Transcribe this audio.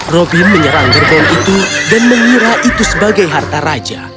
robin menyerang gerbon itu dan mengira itu sebagai harta raja